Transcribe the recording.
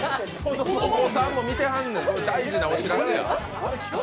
お子さんも見てるねん、大事なお知らせや。